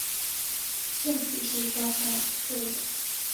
兴趣是照相摄影。